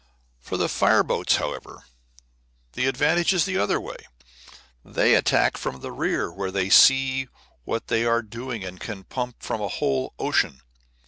For the fire boats, however, the advantage is the other way; they attack from the rear, where they see what they are doing, and can pump from a whole ocean.